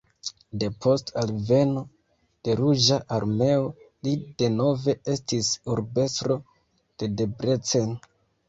Depost alveno de Ruĝa Armeo li denove estis urbestro de Debrecen.